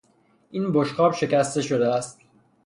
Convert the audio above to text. این بشقاب شکسته شده است.